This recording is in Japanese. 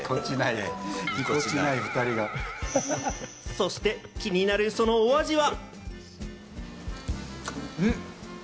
そして気になるそのお味は。